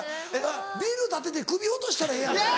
ビル建てて首落としたらええやんか。